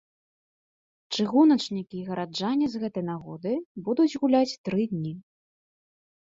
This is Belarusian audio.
Чыгуначнікі і гараджане з гэтай нагоды будуць гуляць тры дні.